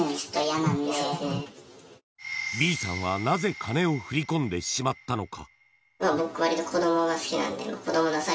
Ｂさんはなぜ金を振り込んでしまったのか？